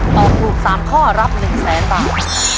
ตอบถูก๓ข้อรับ๑แสนบาท